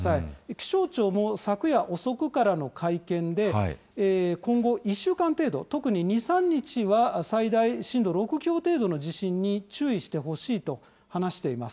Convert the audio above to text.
気象庁も昨夜遅くからの会見で、今後１週間程度、特に２、３日は最大震度６強程度の地震に注意してほしいと話しています。